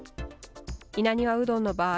稲庭うどんの場合